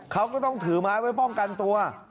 เขาก็ต้องถือไม้ไว้ป้องกันตัว